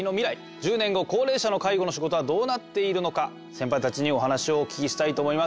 １０年後高齢者の介護の仕事はどうなっているのかセンパイたちにお話をお聞きしたいと思います。